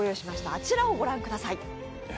あちらをご覧ください。